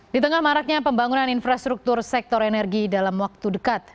di tengah maraknya pembangunan infrastruktur sektor energi dalam waktu dekat